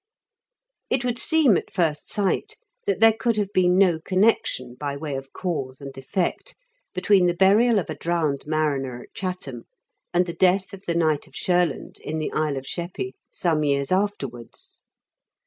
It would seem, at first sight, that there could have been no connection, by way of C9,use and effect, between the burial of a drowned mariner at Chatham and the death of the knight of Shurland, in the Isle of Sheppey, some years afterwards.